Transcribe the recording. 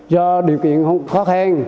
do điều kiện không có khen